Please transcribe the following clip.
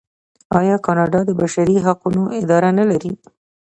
آیا کاناډا د بشري حقونو اداره نلري؟